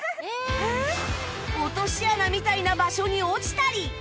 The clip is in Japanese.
落とし穴みたいな場所に落ちたり